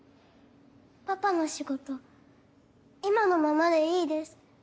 パパの仕事今のままでいいです。